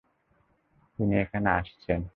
তিনি এখানে আসছেন!